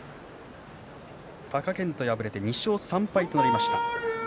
貴健斗、敗れて２勝３敗となりました。